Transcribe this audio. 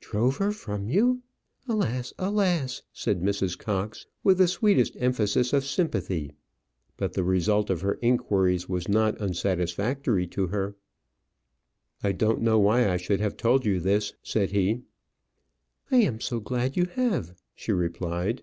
"Drove her from you! Alas! alas!" said Mrs. Cox, with the sweetest emphasis of sympathy. But the result of her inquiries was not unsatisfactory to her. "I don't know why I should have told you this," said he. "I am so glad you have," she replied.